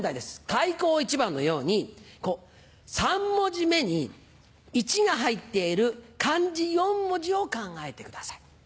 「開口一番」のように３文字目に「一」が入っている漢字４文字を考えてください。